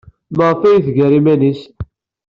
Maɣef ay d-teggar iman-nnes?